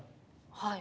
はい。